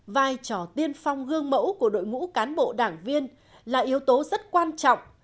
vai trò tiên phong gương mẫu của đội ngũ cán bộ đảng viên là yếu tố rất quan trọng